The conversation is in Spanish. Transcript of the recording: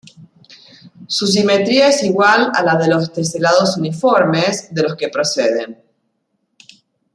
Su simetría es igual a la de los teselados uniformes de los que proceden.